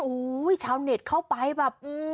โอ้โหชาวเน็ตเข้าไปแบบ